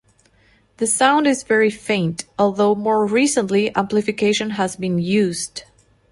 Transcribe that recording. The sound is very faint, although more recently amplification has been used.